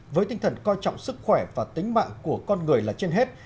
với tinh thần coi trọng sức khỏe và tính mạng của con người là trên hết